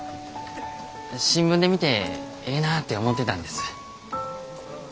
新聞で見てええなぁて思てたんです。